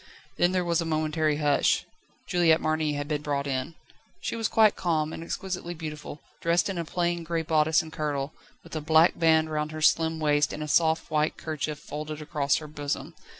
Then there was a momentary hush. Juliette Marny had been brought in. She was quite calm, and exquisitely beautiful, dressed in a plain grey bodice and kirtle, with a black band round her slim waist and a soft white kerchief folded across her bosom.